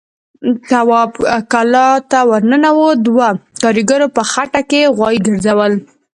تواب کلا ته ور ننوت، دوو کاريګرو په خټه کې غوايي ګرځول.